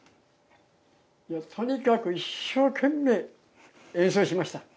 とにかく一生懸命演奏しました。